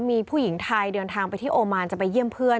มีผู้หญิงไทยเดินทางไปที่โอมานจะไปเยี่ยมเพื่อน